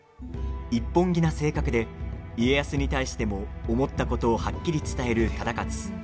一本気な性格で、家康に対しても思ったことをはっきり伝える忠勝。